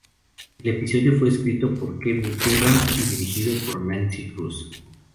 El episodio fue escrito por Kevin Curran y dirigido por Nancy Kruse.